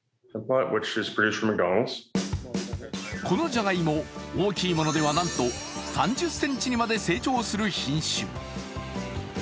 このじゃがいも、大きいものではなんと３０ｃｍにまで成長する品種。